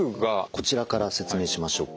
こちらから説明しましょうか。